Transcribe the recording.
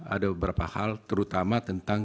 ada beberapa hal terutama tentang